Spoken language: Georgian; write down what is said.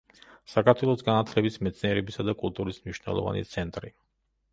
საქართველოს განათლების, მეცნიერებისა და კულტურის მნიშვნელოვანი ცენტრი.